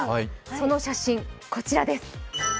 その写真、こちらです。